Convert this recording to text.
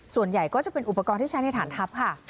ส่วนใหญ่ก็จะเป็นอุปกรณ์ที่ใช้ในฐานทัพค่ะ